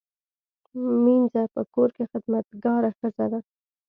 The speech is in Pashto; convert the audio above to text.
مینځه په کور کې خدمتګاره ښځه ده